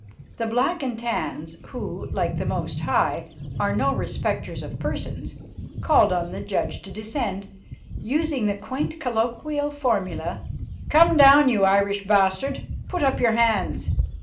The Black and Tans, who, like the Most High, are no respecters of persons, called on the judge to descend, using the quaint colloquial formula: "Come down, you Irish bastard; put up your hands."